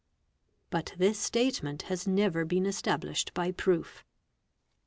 But this statement has never been established by proof.